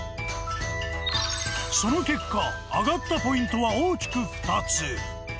その結果挙がったポイントは大きく２つ。